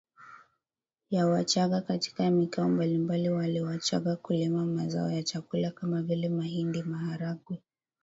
ya Wachagga katika mikoa mbalimbaliWachagga hulima mazao ya chakula kama vile mahindi maharagwe